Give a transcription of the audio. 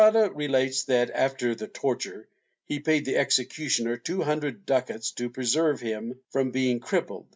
Estrada relates that, after the torture, he paid the executioner two hundred ducats to preserve him from being crippled.